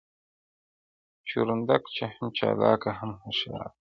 چوروندوک چي هم چالاکه هم هوښیار دی!!